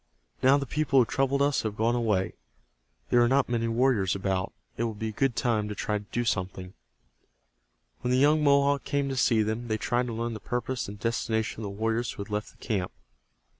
Now the people who troubled us have gone away. There are not many warriors about. It will be a good time to try to do something." When the young Mohawk came to see them they tried to learn the purpose and destination of the warriors who had left the camp.